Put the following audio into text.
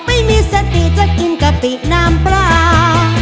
ไม่มีสติจะกินกะปิน้ำปลา